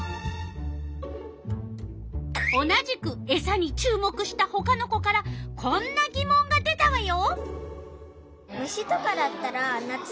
同じくエサに注目したほかの子からこんなぎもんが出たわよ。